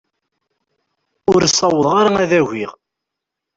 Ur ssawḍeɣ ara ad agiɣ.